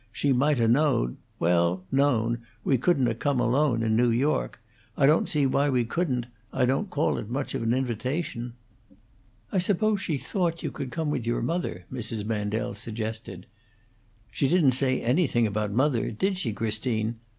"She might 'a' knowed well known we couldn't 'a' come alone, in New York. I don't see why we couldn't. I don't call it much of an invitation." "I suppose she thought you could come with your mother," Mrs. Mandel suggested. "She didn't say anything about mother: Did she, Christine?